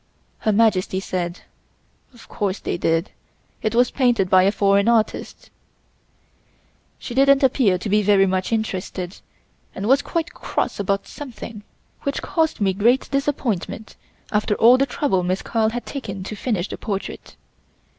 Her Majesty said: "Of course they did, it was painted by a foreign artist." She didn't appear to be very much interested and was quite cross about something, which caused me great disappointment after all the trouble Miss Carl had taken to finish the portrait.